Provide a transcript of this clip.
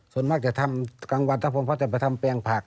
ส่วนมากจะทำกลางวันพ่อจะไปทำแปลงผัก